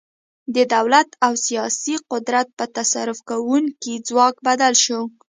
د دولت او سیاسي قدرت په تصرف کوونکي ځواک بدل شو.